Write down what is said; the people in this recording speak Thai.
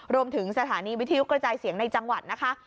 รวมถึงสถานีวิทยุกระจายเสียงในจังหวัดนะคะ